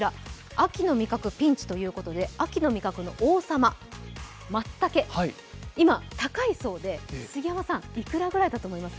秋の味覚ピンチということで秋の味覚の王様、まつたけ、今、高いそうです、杉山さん、いくらぐらいだと思います？